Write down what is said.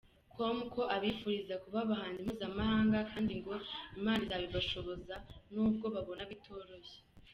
com ko abifuriza kuba abahanzi mpuzamahanga kandi ngo Imana izabibashoboza n’ubwo babona bitoroshye.